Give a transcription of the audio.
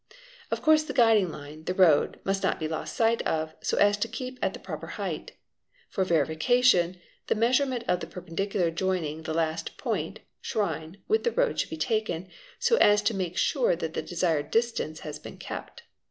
Of course the guiding line, the road, must not be lost sight of, so as to keep at the proper height. For verification, the measurement of the perpendicular oining the last point (shrine) with the road should be taken, so as to nake sure that the desired distance has been kept.